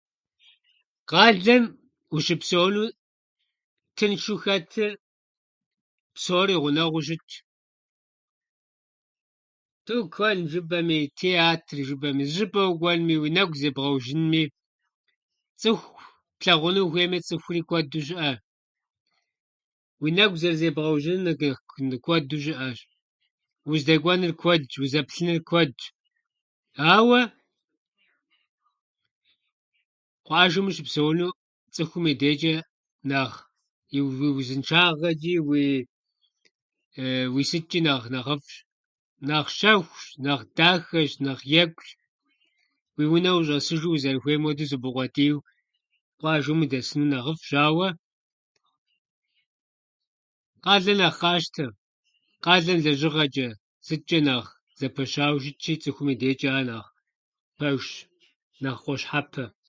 Къалэм ущыпсэуну тыншу хэтыр псори гъунэгъуу щытщ: тыкуэн жыпӏэми, театр жыпӏэми, зы щӏыпӏэ укӏуэнуми, уи нэгу зебгъэужьынуми, цӏыху плъэгъуну ухуейми, цӏыхури куэду щыӏэ, уи нэгу зэрызебгъэужьынур [unintelligible] куэду щыӏэщ, уздэкӏуэнур куэдщ, узэплъынур куэдщ. Ауэ къуажэм ущыпсэуну цӏыхум и дейчӏэ нэхъ уи- уи узыншагъэчӏи, уи сытчӏи нэхъ- нэхъыфӏщ, нэхъ щэхущ, нэхъ дахэщ, нэхъ екӏущ. Уи унэ ущӏэсыжу узэрыхуейм хуэдэу зыбыукъуэдийуэ, къуажэм удэсыну нэхъыфӏщ, ауэ къалэр нэхъ къащтэ. Къалэр лэжьыгъэчӏэ сытчӏэ нэхъ зэпэщауэ щытщи, цӏыхум и дежчӏэ ар нэхъ пэжщ, нэхъ къощхьэпэ.